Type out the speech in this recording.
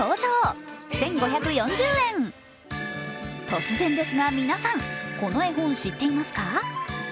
突然ですが、皆さん、この絵本知っていますか？